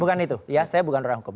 bukan itu ya saya bukan orang hukum